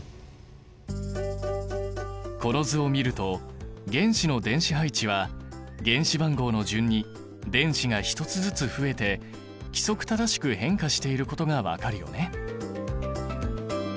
この図を見ると原子の電子配置は原子番号の順に電子が１つずつ増えて規則正しく変化していることが分かるよね。